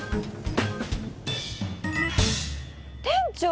店長！